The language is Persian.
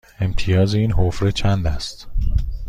امتیاز این حفره چند است؟